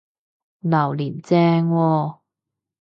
榴槤正喎！